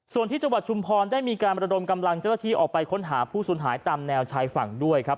ส่วนที่จังหวัดชุมพรได้มีการระดมกำลังเจ้าหน้าที่ออกไปค้นหาผู้สูญหายตามแนวชายฝั่งด้วยครับ